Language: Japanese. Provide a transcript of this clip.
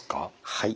はい。